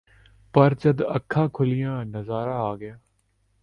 ਪਰ ਜਦ ਅੱਖਾ ਖੁਲੀਆ ਨਜ਼ਰ ਆ ਗਿਆ